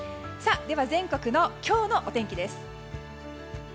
全国の今日のお天気です。